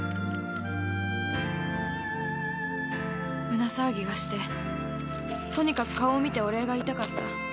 胸騒ぎがしてとにかく顔を見てお礼が言いたかった。